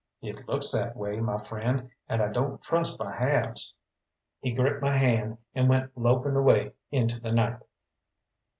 "It looks that way, my friend, and I don't trust by halves." He gripped my hand, and went loping away into the night.